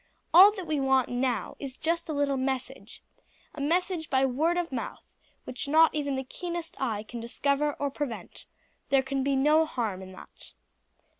All that we want now is just a little message, a message by word of mouth which not even the keenest eye can discover or prevent; there can be no harm in that."